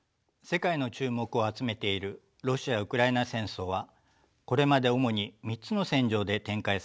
世界の注目を集めているロシア・ウクライナ戦争はこれまで主に３つの戦場で展開されてきました。